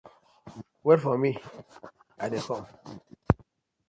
Wait for mi I dey kom.